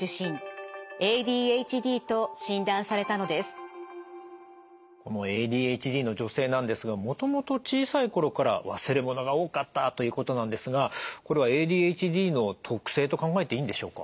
あとこのＡＤＨＤの女性なんですがもともと小さい頃から忘れ物が多かったということなんですがこれはＡＤＨＤの特性と考えていいんでしょうか。